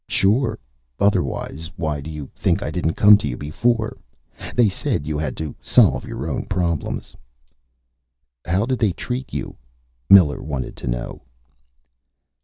"Sure. Otherwise, why do you think I didn't come to you before? They said you had to solve your own problems." "How did they treat you?" Miller wanted to know.